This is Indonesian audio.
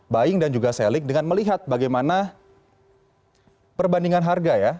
buying dan juga selling dengan melihat bagaimana perbandingan harga ya